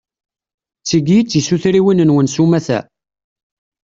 D tigi i d tisutriwin-nwen s umata?